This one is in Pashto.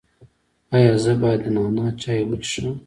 ایا زه باید د نعناع چای وڅښم؟